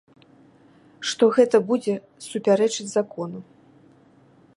Што гэта будзе супярэчыць закону.